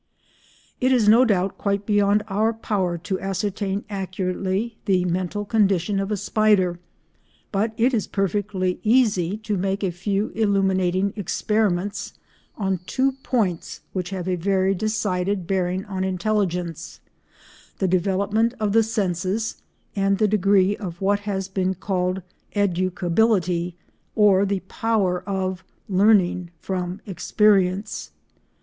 It is no doubt quite beyond our power to ascertain accurately the mental condition of a spider, but it is perfectly easy to make a few illuminating experiments on two points which have a very decided bearing on intelligence:—the development of the senses, and the degree of what has been called educability, or the power of learning from experience.